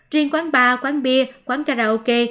riêng quán bar quán bia quán karaoke